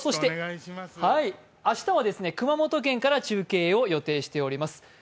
明日は熊本県から中継を予定しております。